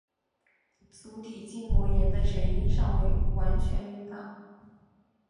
足底筋膜炎的成因尚未完全明朗。